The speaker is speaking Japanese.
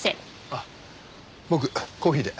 あっ僕コーヒーで。